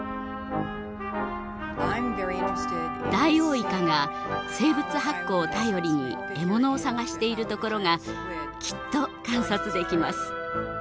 ダイオウイカが生物発光を頼りに獲物を探しているところがきっと観察できます。